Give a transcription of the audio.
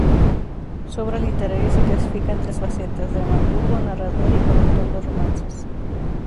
Su obra literaria se clasifica en tres facetas: dramaturgo, narrador y colector de romances.